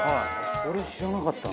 それ知らなかったな。